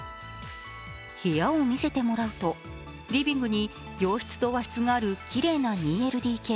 部屋を見せてもらうと、リビングに洋室と和室があるきれいな２ＬＤＫ。